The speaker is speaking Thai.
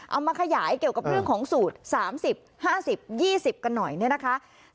เอามาขยายเกี่ยวกับเรื่องของสูตร๓๐๕๐๒๐กันหน่อยเนี่ยนะคะ